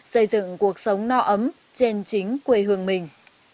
xây dựng cuộc sống no ấm trên chính quê hương mình